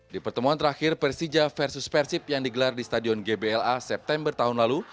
di pertemuan terakhir persija versus persib yang digelar di stadion gbla september tahun lalu